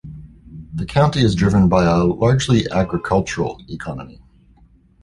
The county is driven by a largely agricultural economy.